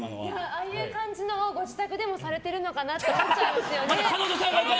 ああいう感じのをご自宅でもされてるのかなって思っちゃいますよね。